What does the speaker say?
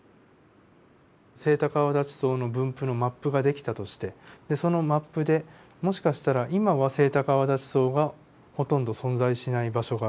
セイタカアワダチソウの分布のマップが出来たとしてそのマップでもしかしたら今はセイタカアワダチソウがほとんど存在しない場所がある。